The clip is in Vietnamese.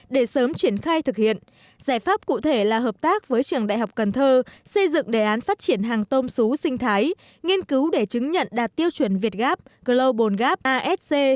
để sớm triển khai thực hiện giải pháp cụ thể là hợp tác với trường đại học cần thơ xây dựng đề án phát triển hàng tôm xú sinh thái nghiên cứu để chứng nhận đạt tiêu chuẩn việt gap global gap asc